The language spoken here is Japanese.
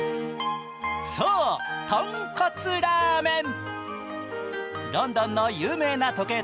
そう、とんこつラーメン。